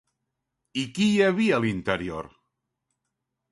I qui hi havia a l'interior?